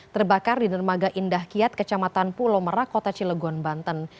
terbakar di dermaga indah kiat kecamatan pulau merah kota cilegon banten